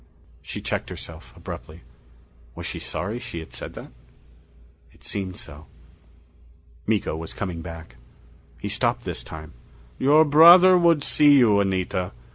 She checked herself abruptly. Was she sorry she had said that? It seemed so. Miko was coming back. He stopped this time. "Your brother would see you, Anita.